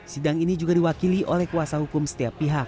sidang ini juga diwakili oleh kuasa hukum setiap pihak